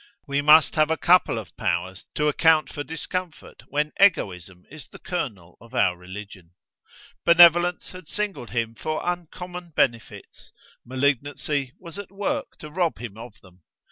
We must have a couple of Powers to account for discomfort when Egoism is the kernel of our religion. Benevolence had singled him for uncommon benefits: malignancy was at work to rob him of them.